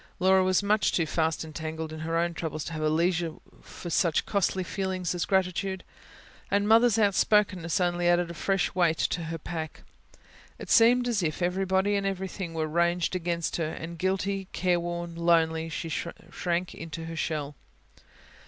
Laura was much too fast entangled in her own troubles, to have leisure for such a costly feeling as gratitude; and Mother's outspokenness only added a fresh weight to her pack. It seemed as if everybody and everything were ranged against her; and guilty, careworn, lonely, she shrank into her shell.